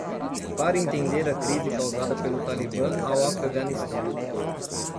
Para entender a crise causada pelo Talibã ao Afeganistão